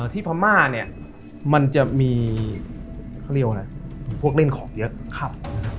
ที่พม่าเนี่ยมันจะมีพวกเล่นของเยอะครับ